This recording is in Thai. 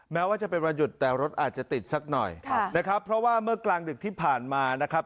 แม้ว่าจะเป็นวันหยุดแต่รถอาจจะติดสักหน่อยนะครับเพราะว่าเมื่อกลางดึกที่ผ่านมานะครับ